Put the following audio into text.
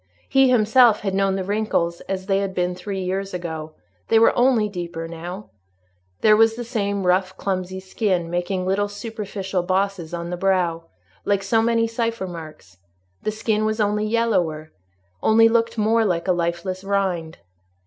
He himself had known the wrinkles as they had been three years ago; they were only deeper now: there was the same rough, clumsy skin, making little superficial bosses on the brow, like so many cipher marks; the skin was only yellower, only looked more like a lifeless rind.